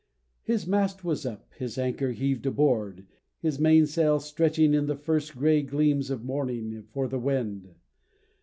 His mast was up, his anchor heaved aboard, His mainsail stretching in the first gray gleams Of morning, for the wind.